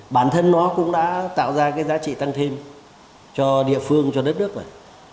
bản thân nó cũng đã tạo ra cái giá trị tăng thêm cho địa phương cho đất nước này